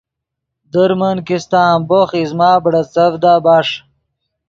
در من کیستہ امبوخ ایزمہ بیرڤدا بݰ